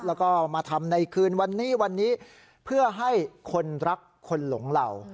แล้วก็มาทำในคืนวันนี้วันนี้เพื่อให้คนรักคนหลงเหล่า